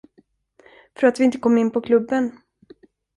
För att vi inte kom in på klubben?